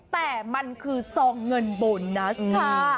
แต่มันคือซองเงินโบนัสค่ะ